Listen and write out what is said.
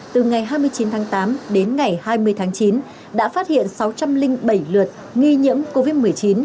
từ ngày hai mươi chín tháng tám đến ngày hai mươi tháng chín đã phát hiện sáu trăm linh bảy lượt nghi nhiễm covid một mươi chín